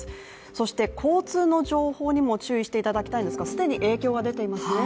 そして、交通の情報にも注意していただきたいんですが既に影響が出ていますね。